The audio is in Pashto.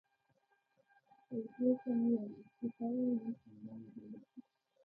فرګوسن وویل: زه چي تا ووینم، خندا مي هېره شي.